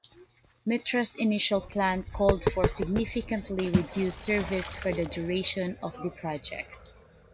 Metra's initial plan called for significantly reduced service for the duration of the project.